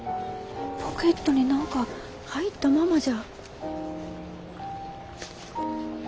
ポケットに何か入ったままじゃ。